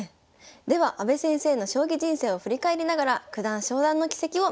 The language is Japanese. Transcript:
では阿部先生の将棋人生を振り返りながら九段昇段の軌跡を見ていきましょう。